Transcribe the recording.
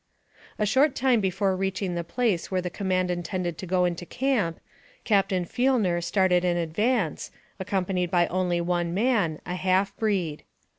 A short time before reaching the place where the command intended to go into camp, Captain Fielner started in advance, accompanied by only one man, a AMONG THE SIOUX INDIANS. 257 half breed.